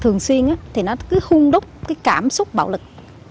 thường xuyên thì nó cứ hung đúc cái cảm xúc bạo lực